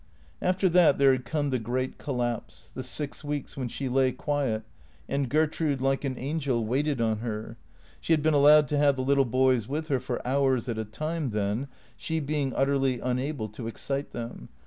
After that there had come the great collapse, the six weeks when she lay quiet and Gertrude, like an angel, waited on her. She had been allowed to have the little boys with her for hours at a time then, she being utterlv unable to excite them.